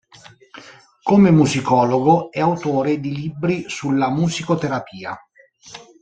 Come musicologo, è autore di libri sulla musicoterapia.